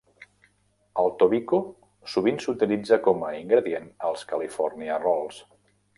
El tobiko sovint s'utilitza com a ingredient als "California rolls".